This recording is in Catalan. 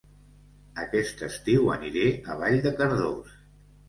Aquest estiu aniré a Vall de Cardós